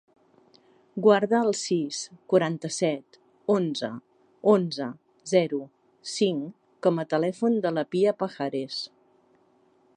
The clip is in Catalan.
Guarda el sis, quaranta-set, onze, onze, zero, cinc com a telèfon de la Pia Pajares.